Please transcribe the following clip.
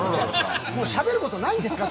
もうしゃべることないんですか？